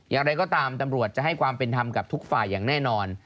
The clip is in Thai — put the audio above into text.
อย่างไรก็ตามตำรวจจะให้ความเป็นธรรมกับทุกฝ่ายอย่างแน่นอน